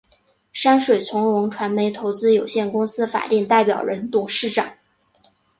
山水从容传媒投资有限公司法定代表人、董事长